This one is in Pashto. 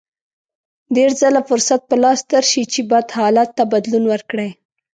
ډېر ځله فرصت په لاس درشي چې بد حالت ته بدلون ورکړئ.